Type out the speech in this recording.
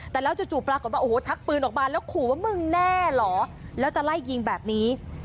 แต่แล้วจู่ปรากฏว่าโอ้โหชักปืนออกมาแล้วขู่ว่ามึงแน่เหรอแล้วจะไล่ยิงแบบนี้